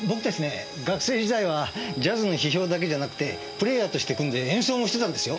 学生時代はジャズの批評だけじゃなくてプレーヤーとして組んで演奏もしてたんですよ。